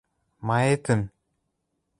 Маэтӹм?!